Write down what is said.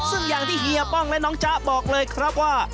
ซึ่งอย่างที่เฮียป้องและน้องจ๊ะบอกเลยครับว่า